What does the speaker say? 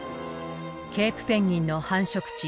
ケープペンギンの繁殖地